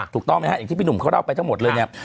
ถูกต้องไหมฮะอย่างที่พี่หนุ่มเขาเล่าไปทั้งหมดเลยเนี่ย